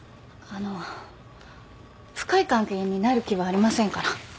深い関係になる気はありませんから。